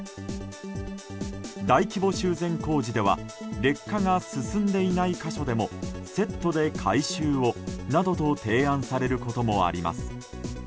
大規模修繕工事では劣化が進んでいない箇所でもセットで改修をなどと提案されることもあります。